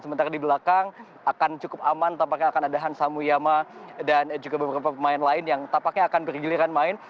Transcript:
sementara di belakang akan cukup aman tampaknya akan ada hansa muyama dan juga beberapa pemain lain yang tampaknya akan bergiliran main